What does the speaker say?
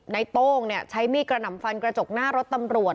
โต้งใช้มีดกระหน่ำฟันกระจกหน้ารถตำรวจ